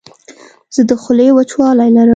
زه د خولې وچوالی لرم.